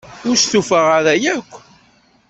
Ur stufaɣ ara akk.